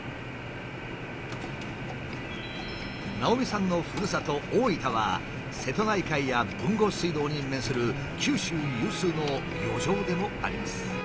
直見さんのふるさと大分は瀬戸内海や豊後水道に面する九州有数の漁場でもあります。